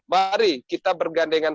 mari kita bergandengan